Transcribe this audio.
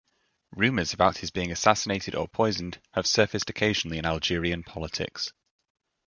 Rumors about his being assassinated or poisoned have surfaced occasionally in Algerian politics.